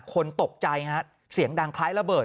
คนตกใจฮะเสียงดังคล้ายระเบิด